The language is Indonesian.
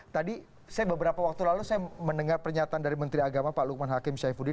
tadi saya beberapa waktu lalu saya mendengar pernyataan dari menteri agama pak lukman hakim syaifuddin